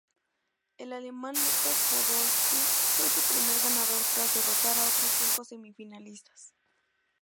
El alemán Lukas Podolski fue su primer ganador tras derrotar a otros cinco semifinalistas.